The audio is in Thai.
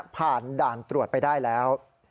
ผ่านด่านตรวจไปได้แล้ว